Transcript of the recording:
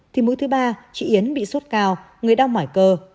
thì mũi thứ ba chị yến bị sốt cao người đau mỏi cơ